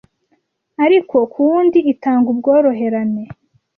Ariko ku wundi itanga ubworoherane